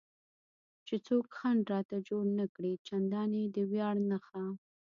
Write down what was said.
چې څوک خنډ راته جوړ نه کړي، چندانې د ویاړ نښه.